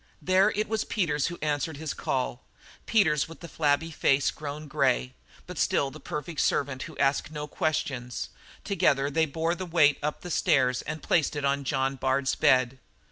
There it was Peters who answered his call, Peters with a flabby face grown grey, but still the perfect servant who asked no questions; together they bore the weight up the stairs and placed it on John Bard's bed.